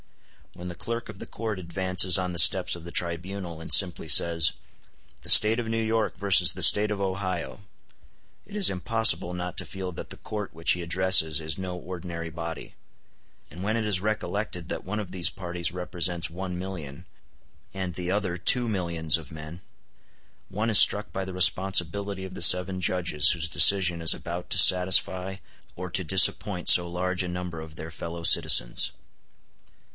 When the clerk of the court advances on the steps of the tribunal, and simply says, "The State of New York versus the State of Ohio," it is impossible not to feel that the Court which he addresses is no ordinary body; and when it is recollected that one of these parties represents one million, and the other two millions of men, one is struck by the responsibility of the seven judges whose decision is about to satisfy or to disappoint so large a number of their fellow citizens.